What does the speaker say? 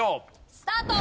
スタート！